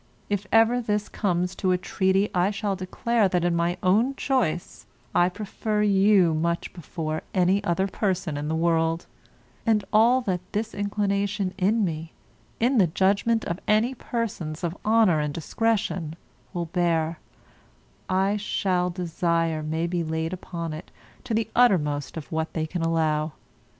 If ever this comes to a treaty, I shall declare that in my own choice I prefer you much before any other person in the world, and all that this inclination in me (in the judgment of any persons of honour and discretion) will bear, I shall desire may be laid upon it to the uttermost of what they can allow.